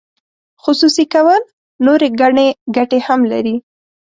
خصوصي کول نورې ګڼې ګټې هم لري.